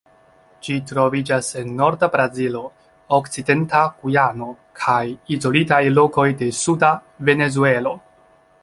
Ĝi troviĝas en norda Brazilo, okcidenta Gujano kaj izolitaj lokoj de suda Venezuelo.